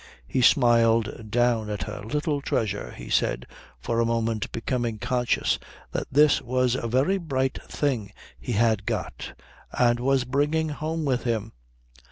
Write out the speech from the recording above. He smiled down at her. "Little treasure," he said, for a moment becoming conscious that this was a very bright thing he had got and was bringing home with him.